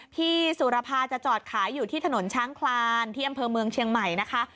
พี่สุรภาจะจอดขายอยู่ที่ถนนช้างคลานที่อำเภอเมืองเชียงใหม่นะคะ